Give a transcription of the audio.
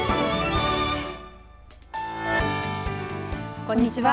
こんにちは。